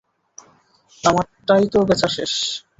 আমারটা তো বেচা শেষ।